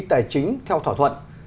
tài chính theo thỏa thuận